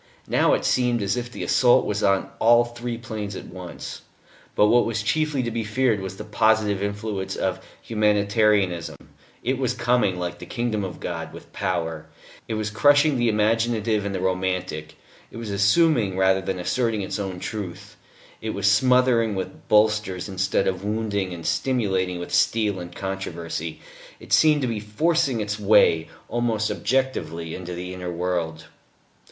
Now it seemed as if the assault was on all three planes at once. But what was chiefly to be feared was the positive influence of Humanitarianism: it was coming, like the kingdom of God, with power; it was crushing the imaginative and the romantic, it was assuming rather than asserting its own truth; it was smothering with bolsters instead of wounding and stimulating with steel or controversy. It seemed to be forcing its way, almost objectively, into the inner world.